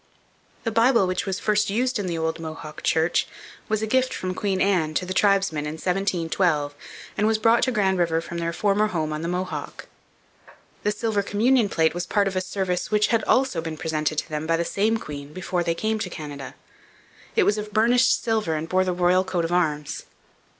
The Bible which was first used in 'The Old Mohawk Church' was a gift from Queen Anne to the tribesmen in 1712 and was brought to Grand River from their former home on the Mohawk. The silver communion plate was part of a service which had also been presented to them by the same queen before they came to Canada. It was of burnished silver and bore the Royal Coat of Arms.